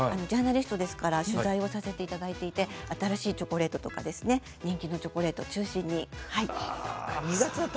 ジャーナリストですから取材をさせていただいて新しいチョコレートとか人気のチョコレート中心に。